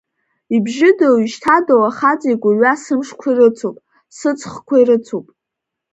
Ибжьыдоу-ишьҭадоу ахаҵа игәырҩа сымшқәа ирыцуп, сыҵхқәа ирыцуп.